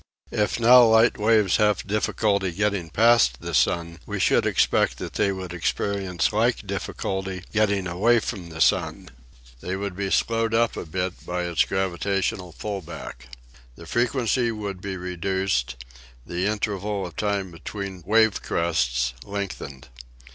If now light waves have difficulty getting past the sun we should expect that they would experience like difficulty getting away from the sun. They would be SIR OLIVER LODGE'S OPINION 77 slowed up a bit by its gravitational pullback. The fre quency would be reduced ; the interval of time between wave crests lengthened.